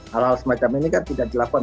hal hal semacam ini kan tidak dilakukan